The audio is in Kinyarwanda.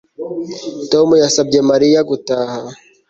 Tom yasabye Mariya gutaha